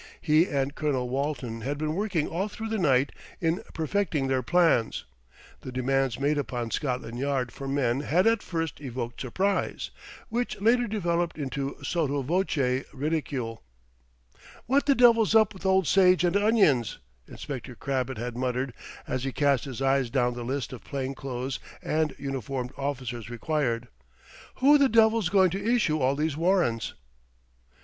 He and Colonel Walton had been working all through the night in perfecting their plans. The demands made upon Scotland Yard for men had at first evoked surprise, which later developed into sotto voce ridicule. "What the devil's up with old Sage and Onions?" Inspector Crabbett had muttered, as he cast his eyes down the list of plain clothes and uniformed officers required. "Who the devil's going to issue all these warrants?"